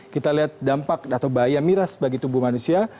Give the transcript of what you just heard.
kita lihat dampak atau bahaya miras bagi tubuh manusia